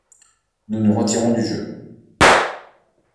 Nous nous retirons du jeu.